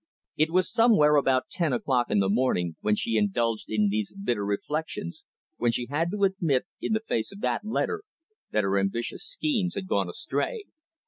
It was somewhere about ten o'clock in the morning when she indulged in these bitter reflections, when she had to admit, in the face of that letter, that her ambitious schemes had gone astray.